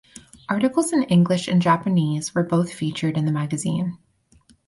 Articles in English and Japanese were both featured in the magazine.